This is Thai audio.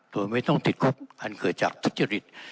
โดยไม่ต้องติดคุกอันเกิดจากทุจริต